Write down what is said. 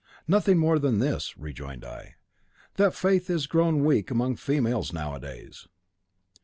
"Nothing more than this," rejoined I, "that faith is grown weak among females nowadays."